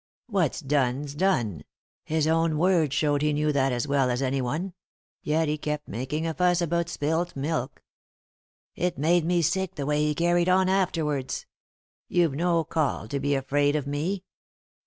What's done's done ; his own words showed he knew that as well as any one; yet he kept making a fuss about spilt milk. It made me sick the way he carried on afterwards. You've no call to be afraid of me."